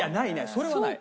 それはない。